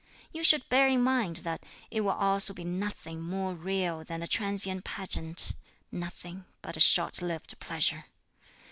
You should bear in mind that it will also be nothing more real than a transient pageant, nothing but a short lived pleasure!